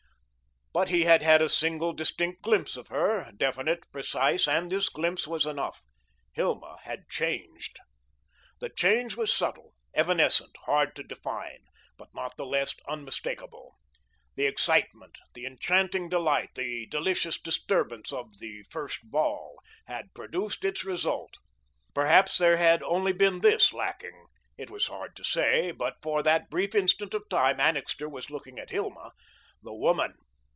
But he had had a single distinct glimpse of her, definite, precise, and this glimpse was enough. Hilma had changed. The change was subtle, evanescent, hard to define, but not the less unmistakable. The excitement, the enchanting delight, the delicious disturbance of "the first ball," had produced its result. Perhaps there had only been this lacking. It was hard to say, but for that brief instant of time Annixter was looking at Hilma, the woman.